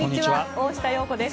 大下容子です。